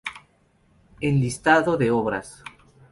Enlistado de Obras